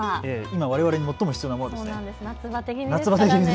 今われわれに最も必要なものですね。